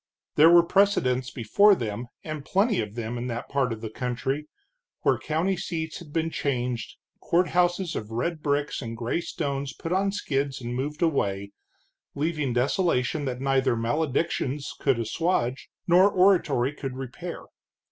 There were precedents before them, and plenty of them in that part of the country, where county seats had been changed, courthouses of red bricks and gray stones put on skids and moved away, leaving desolation that neither maledictions could assuage nor oratory could repair.